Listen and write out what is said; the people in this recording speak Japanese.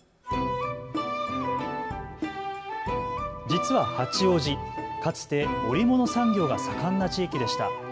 実は八王子、かつて織物産業が盛んな地域でした。